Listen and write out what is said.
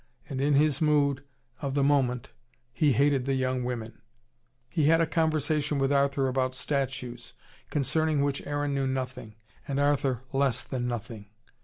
And in his mood of the moment he hated the young women. He had a conversation with Arthur about statues: concerning which Aaron knew nothing, and Arthur less than nothing.